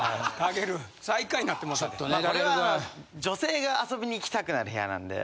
女性が遊びに来たくなる部屋なんで。